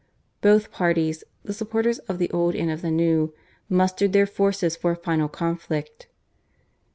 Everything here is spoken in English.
Both parties, the supporters of the old and of the new, mustered their forces for a final conflict.